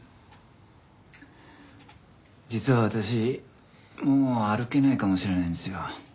実は私もう歩けないかもしれないんですよ。